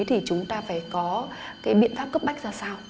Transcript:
thì chúng ta phải có cái biện pháp cấp bách ra sao